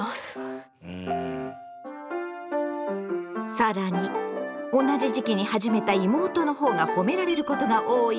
更に同じ時期に始めた妹の方が褒められることが多いのもつらい。